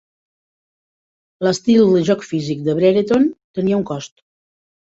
L'estil de joc físic de Brereton tenia un cost.